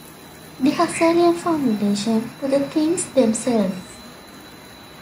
The Husserlian formulation, To the things themselves!